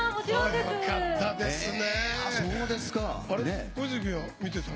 よかったですね。